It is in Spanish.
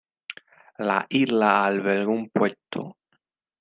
La isla alberga un puerto.